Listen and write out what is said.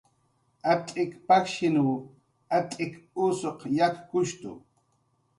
Atz'ik pajshinw atz'ik usuq yakkushtu